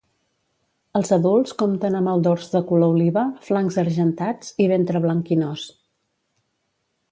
Els adults compten amb el dors de color oliva, flancs argentats i ventre blanquinós.